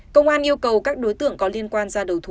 công an yêu cầu các đối tượng có liên quan ra đầu thú